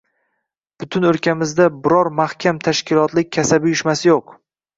Butun o‘lkamizda biror mahkam tashkilotlik kasaba uyushmasi yo‘q